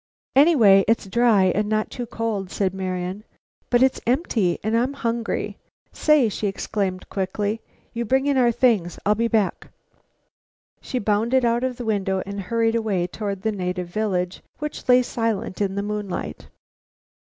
"Anyway, it's dry, and not too cold," said Marian. "But it's empty, and I'm hungry. Say!" she exclaimed quickly, "you bring in our things; I'll be back." She bounded out of the window and hurried away toward the native village, which lay silent in the moonlight.